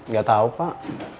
gak tau pak